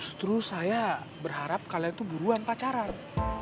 justru saya berharap kalian itu buruan pacaran